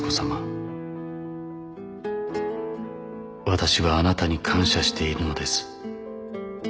「私はあなたに感謝しているのです」